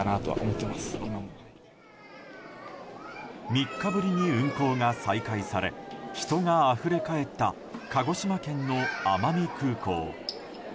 ３日ぶりに運航が再開され人があふれ返った鹿児島県の奄美空港。